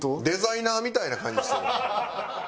デザイナーみたいな感じしてる。